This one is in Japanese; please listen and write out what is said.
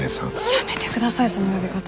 やめてくださいその呼び方。